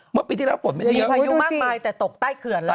เมื่อปีที่แล้วฝนไม่ได้เยอะ